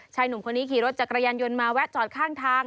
หนุ่มคนนี้ขี่รถจักรยานยนต์มาแวะจอดข้างทาง